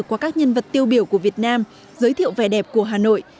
qua các nhân vật tiêu biểu của việt nam giới thiệu vẻ đẹp của hà nội